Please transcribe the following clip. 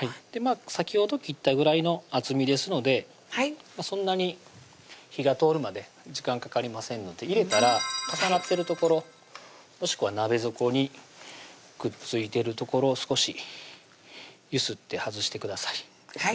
先ほど切ったぐらいの厚みですのでそんなに火が通るまで時間かかりませんので入れたら重なってる所もしくは鍋底にくっついてる所を少し揺すって外してください